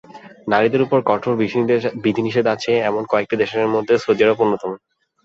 নারীদের ওপর কঠোর বিধিনিষেধ আছে এমন কয়েকটি দেশের মধ্য সৌদি আরব অন্যতম।